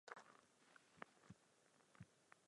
Vedle něj stojí objekt muzea dějin polských Židů.